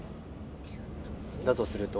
だとすると？